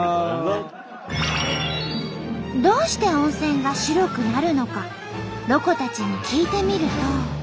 どうして温泉が白くなるのかロコたちに聞いてみると。